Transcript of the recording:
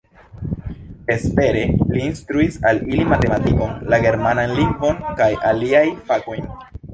Vespere li instruis al ili matematikon, la germanan lingvon kaj aliajn fakojn.